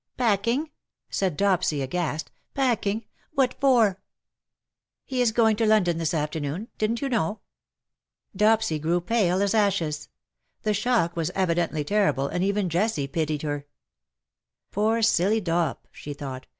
'''" Packing V cried Dopsy, aghast. " Packing ! What for V " He is going to London this afternoon. Didn^t you know ?" Dopsy grew pale as ashes. The shock was evidently terrible, and even Jessie pitied her. STILL COME NEW WOES. 6 " Poor silly Dop/^ she thought.